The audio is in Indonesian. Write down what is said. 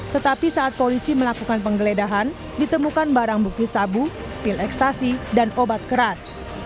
tetapi saat polisi melakukan penggeledahan ditemukan barang bukti sabu pil ekstasi dan obat keras